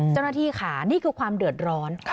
เจ้าหน้าที่ค่ะนี่คือความเดือดร้อน